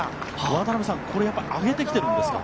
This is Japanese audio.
渡辺さん上げてきてるんですか？